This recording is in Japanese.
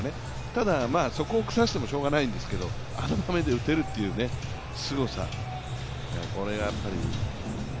ただ、そこをくさしてもしょうがないんですけどあの場面で、打てるっていう、すごさ。